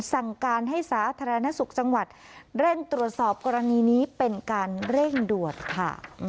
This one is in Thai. สั่งการให้สาธารณสุขจังหวัดเร่งตรวจสอบกรณีนี้เป็นการเร่งด่วนค่ะ